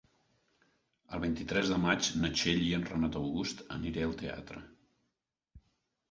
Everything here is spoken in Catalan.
El vint-i-tres de maig na Txell i en Renat August aniré al teatre.